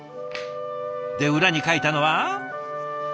で裏に書いたのは？